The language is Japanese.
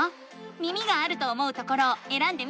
耳があると思うところをえらんでみて。